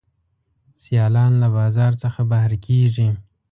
سیالان له بازار څخه بهر کیږي.